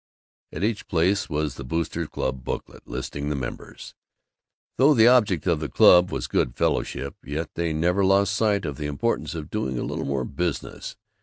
At each place was the Boosters' Club booklet, listing the members. Though the object of the club was good fellowship, yet they never lost sight of the importance of doing a little more business.